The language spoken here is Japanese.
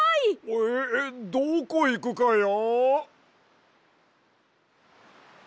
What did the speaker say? えどこいくかや？